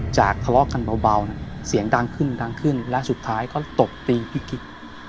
ทะเลาะกันเบาเสียงดังขึ้นดังขึ้นและสุดท้ายเขาตบตีพี่กิ๊ก